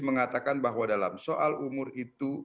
mengatakan bahwa dalam soal umur itu